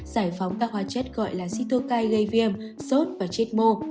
giải phóng các hoa chất gọi là cytokine gây viêm sốt và chết mô